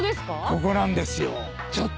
ここなんですよ。